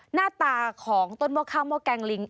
หน้าตาของต้นหม้อข้าวหม้อแกงลิง